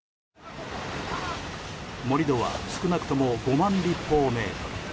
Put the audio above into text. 盛り土は少なくとも５万立方メートル。